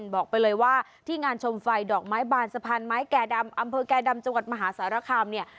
บอกไปเลยว่าที่งานชมไฟดอกไม้บานสะพานไม้แก่ดำอำเภอแก่ดำจังหวัดมหาสารคามเนี่ย